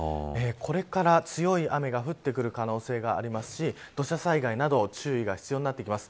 これから強い雨が降ってくる可能性がありますし土砂災害など注意が必要になってきます。